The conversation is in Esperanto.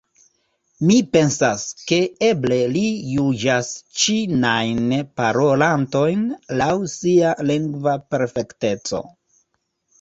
Mi pensas, ke eble li juĝas ĉinajn parolantojn laŭ sia lingva perfekteco.